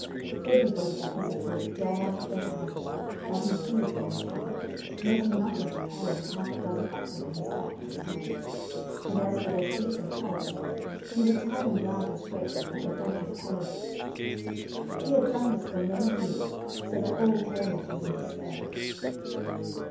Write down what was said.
Everybody at his approach ran out of their houses, while he seized on their cattle, making nothing of carrying half a dozen oxen on his back at a time; and as for their sheep and hogs, he would tie them round his waist like a bunch of tallow dips. He had done this for many years, so that all Cornwall was in despair.